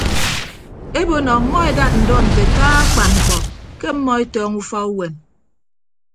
Obo nọ ọmmọ edat ndọ nte ataa akpan mkpọ ke ọmmọ etọọñọ ufa uwem.